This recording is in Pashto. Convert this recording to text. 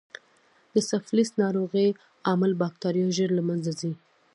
د سفلیس ناروغۍ عامل بکټریا ژر له منځه ځي.